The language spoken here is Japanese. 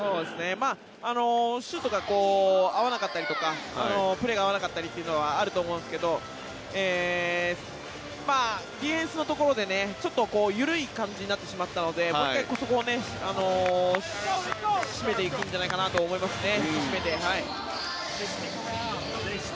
シュートが合わなかったりとかプレーが合わなかったりというのはあると思うんですがディフェンスのところでちょっと緩い感じになってしまったのでもう１回、そこを引き締めていくんじゃないかなと思いますね。